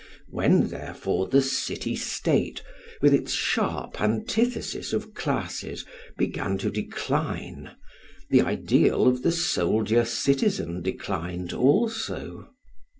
When therefore the city State, with its sharp antithesis of classes, began to decline, the ideal of the soldier citizen declined also.